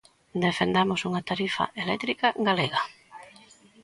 Defendamos unha tarifa eléctrica galega.